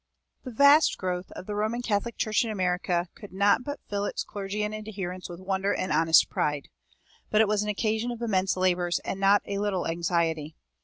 The vast growth of the Roman Catholic Church in America could not but fill its clergy and adherents with wonder and honest pride. But it was an occasion of immense labors and not a little anxiety.